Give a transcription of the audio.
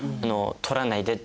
「取らないで」